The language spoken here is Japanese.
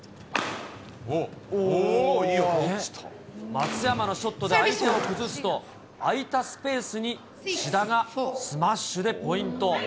松山のショットで相手を崩すと、空いたスペースに志田がスマッシュでポイント。